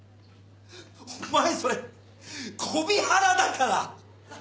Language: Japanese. お前それコビハラだから！